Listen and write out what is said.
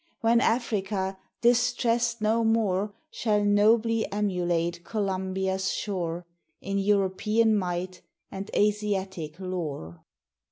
When Africa, distressed no more, Shall nobly emulate Columbia's shore, In European might, and Asiatic lore.